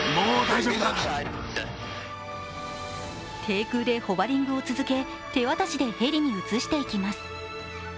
低空でホバリングを続け手渡しでヘリに移していきます。